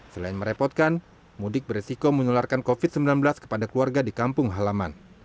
selain merepotkan mudik beresiko menularkan covid sembilan belas kepada keluarga di kampung halaman